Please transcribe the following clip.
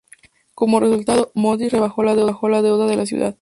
Como resultado, Moody's rebajó la deuda de la ciudad.